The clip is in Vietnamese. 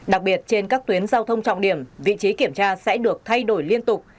đặc biệt trên các tuyến giao thông trọng điểm vị trí kiểm tra sẽ được thay đổi liên tục